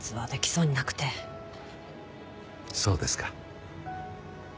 そうですか。